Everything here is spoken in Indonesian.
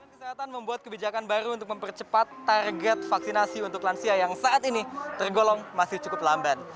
kesehatan membuat kebijakan baru untuk mempercepat target vaksinasi untuk lansia yang saat ini tergolong masih cukup lambat